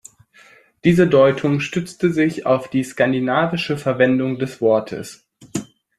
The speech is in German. Diese Deutung stützte sich auf die skandinavische Verwendung des Wortes.